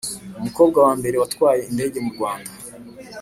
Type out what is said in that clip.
Umukobwa wambere watwaye indege murwanda